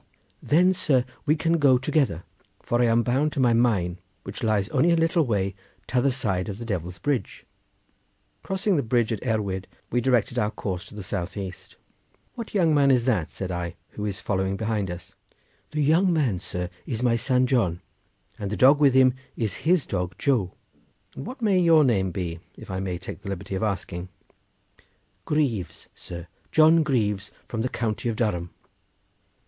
"Then, sir, we can go together, for I am bound to my mine, which lies only a little way t'other side of the Devil's Bridge." Crossing the bridge of Erwyd, we directed our course to the south east. "What young man is that?" said I, "who is following behind us?" "The young man, sir, is my son John, and the dog with him is his dog Joe." "And what may your name be, if I may take the liberty of asking?" "Greaves, sir; John Greaves from the county of Durham."